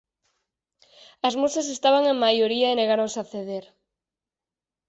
As Musas estaban en maioría e negáronse a ceder.